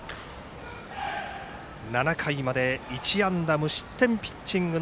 ７回まで１安打無得点ピッチング